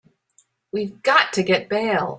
We've got to get bail.